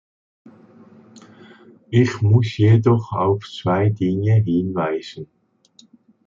Ich muss jedoch auf zwei Dinge hinweisen.